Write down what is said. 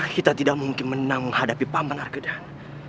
kita tidak mungkin menang menghadapi paman arkedhan